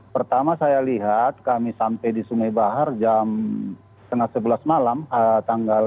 pertama saya lihat kami sampai di sumai bahar jam tengah sebelas malam tanggal sembilan